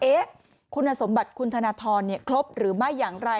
เอ๊ะคุณสมบัติคุณธนทรเนี่ยครบหรือไม่อย่างไร